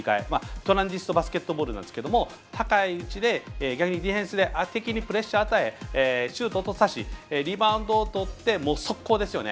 トランジストバスケットボールなんですけど高いディフェンスでプレッシャーを与えシュートを落としてリバウンドをとって速攻ですよね。